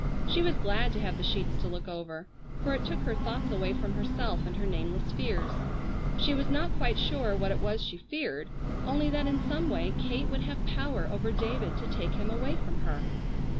She was glad to have the sheets to look over, for it took her thoughts away from herself and her nameless fears. She was not quite sure what it was she feared, only that in some way Kate would have power over David to take him away from her.